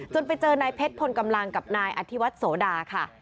ไปเจอนายเพชรพลกำลังกับนายอธิวัฒน์โสดาค่ะ